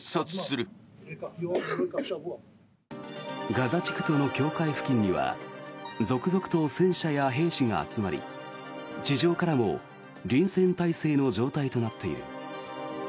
ガザ地区との境界付近には続々と戦車や兵士が集まり地上からも臨戦態勢の状態となっている。